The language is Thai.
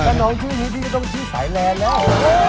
กระนองชื่อมือดีก็ต้องชื่อสายแลนด์เนอะ